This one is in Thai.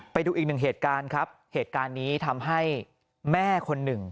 ไปดูอีกหนึ่งเหตุการณ์ครับเหตุการณ์นี้ทำให้แม่คนหนึ่ง